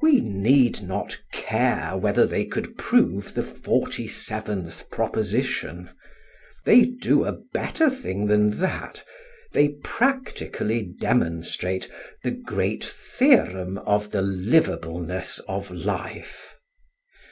We need not care whether they could prove the forty seventh proposition; they do a better thing than that, they practically demonstrate the great Theorum of the liveableness of Life.